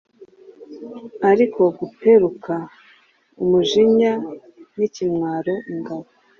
Ariko guperuka-umujinya nikimwaro ingabo